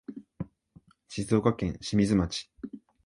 静岡県清水町